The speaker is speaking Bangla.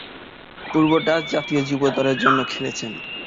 পূর্বে ডাচ জাতীয় যুব দলের জন্য খেলেছেন।